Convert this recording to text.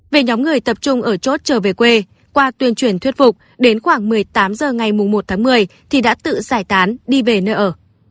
về nhóm người tập trung ở chốt trở về quê qua tuyên truyền thuyết phục đến khoảng một mươi tám h ngày một tháng một mươi thì đã tự giải tán đi về nơi ở